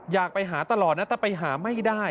อยากไปหาตลอดนะแต่ไปหาไม่ได้